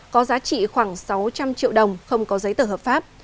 có giá trị khoảng sáu trăm linh triệu đồng không có giấy tờ hợp pháp